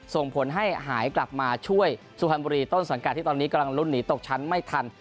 ส่งผลให้หายกลับมาช่วยสุพรรณบุรีต้นสังกัดที่ตอนนี้กำลังลุ้นหนีตกชั้นไม่ทัน